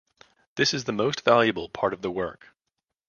This is the most valuable part of the work.